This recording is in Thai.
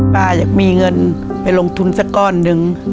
อยากมีเงินไปลงทุนสักก้อนหนึ่ง